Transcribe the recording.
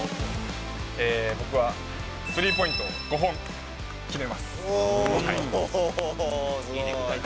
僕はスリーポイントを５本決すごい！